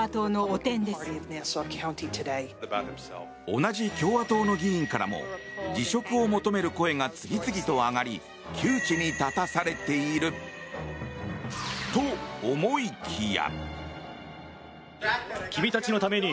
同じ共和党の議員からも辞職を求める声が次々と上がり窮地に立たされていると思いきや。